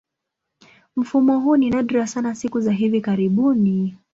Mfumo huu ni nadra sana siku za hivi karibuni.